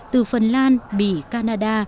từ phần lan bỉ canada